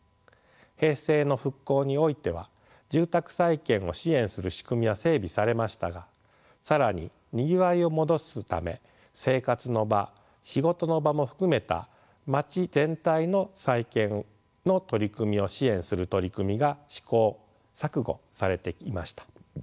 平成の復興においては住宅再建を支援する仕組みは整備されましたが更ににぎわいを戻すため生活の場仕事の場も含めたまち全体の再建の取り組みを支援する取り組みが試行錯誤されていました。